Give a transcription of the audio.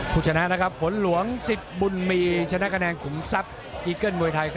คุณชนะฝนหลวง๑๐บุญมีชนะแกน่งขุมทรัพย์อีเกิ้ลมวยไทย